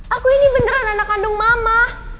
aku ini beneran anak kandung mama